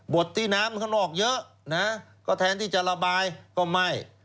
ดที่น้ำข้างนอกเยอะนะก็แทนที่จะระบายก็ไหม้